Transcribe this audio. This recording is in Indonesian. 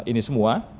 nah ini semua